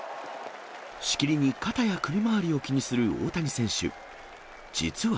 しきりに肩や首回りを気にする大谷選手。